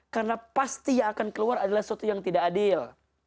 karena pasti yang akan keluar adalah sesuatu yang tidak adil